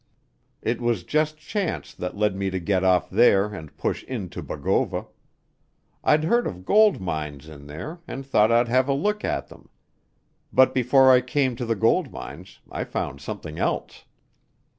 It was just chance that led me to get off there and push in to Bogova. I'd heard of gold mines in there and thought I'd have a look at them. But before I came to the gold mines I found something else."